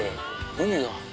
海が。